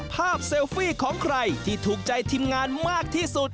เซลฟี่ของใครที่ถูกใจทีมงานมากที่สุด